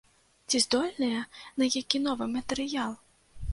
Ці здольныя на які новы матэрыял?